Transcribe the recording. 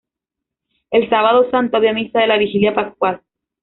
El Sábado Santo había misa de la vigilia pascual.